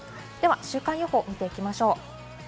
週間予報、見ていきましょう。